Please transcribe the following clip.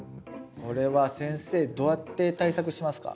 これは先生どうやって対策しますか？